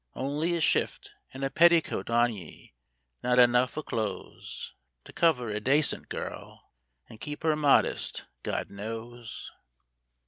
Only a shift an' a petticoat on ye, not enough o' clo'es To cover a dacent girl, an' keep her modest, God knows